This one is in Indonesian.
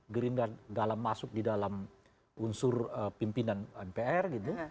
gerindra dalam masuk di dalam unsur pimpinan mpr gitu